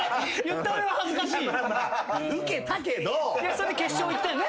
それ決勝行ったよね